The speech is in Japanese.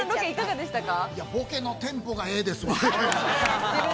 ボケのテンポがええですわ。